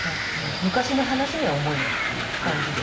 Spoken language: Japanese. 昔の話には思えないっていう感じで。